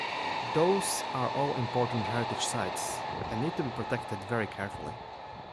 Those are all important heritage site and need to be protected very carefully.